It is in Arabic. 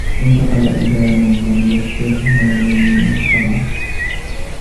وَانْتَقَلَ إلَى مَنْ لَمْ يُخْبِرْهُ مَلَلًا لِمَنْ خَبَرَهُ